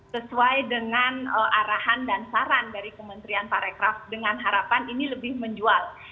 sesuai dengan arahan dan saran dari kementerian parekraf dengan harapan ini lebih menjual